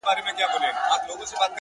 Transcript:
مهرباني بې غږه معجزه ده!